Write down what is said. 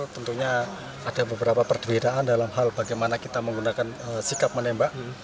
tentunya ada beberapa perbedaan dalam hal bagaimana kita menggunakan sikap menembak